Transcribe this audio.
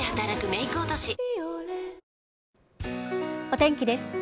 お天気です。